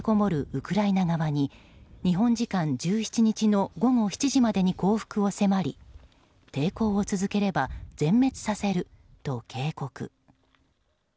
ウクライナ軍側に日本時間１７日の午後７時までに降伏を迫り抵抗を続ければ全滅させると警告。